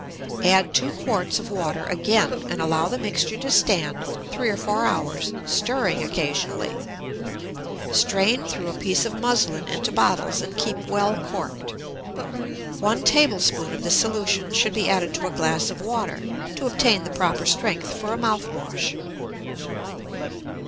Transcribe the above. Add two quarts of water again and allow the mixture to stand three or four hours, stirring occasionally. Strain through a piece of muslin into bottles and keep well corked. One tablespoonful of this solution should be added to a glass of water to obtain the proper strength for a mouth wash.